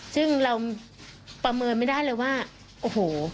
ซึ่งเราประเมินไม่ได้เลยว่าโอ้โห